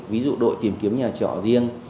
ví dụ đội tìm kiếm nhà trọ riêng